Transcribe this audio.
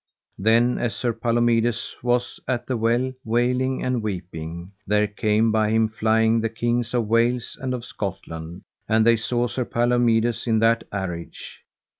Then as Sir Palomides was at the well wailing and weeping, there came by him flying the kings of Wales and of Scotland, and they saw Sir Palomides in that arage.